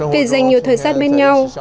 vì dành nhiều thời gian bên nhau